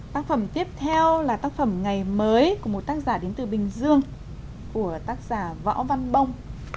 tác phẩm tiếp theo là tác phẩm ngày mới của một tác giả đến từ bình dương của tác giả võ văn bông